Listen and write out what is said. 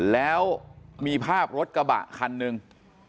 แล้วมีภาพรถกระบะคันหนึ่ง